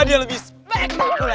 ada yang lebih spek